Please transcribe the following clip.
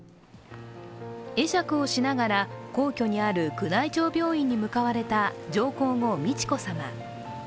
会釈をしながら皇居にある宮内庁病院に向かわれた上皇后・美智子さま。